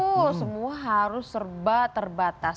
betul semua harus serba terbatas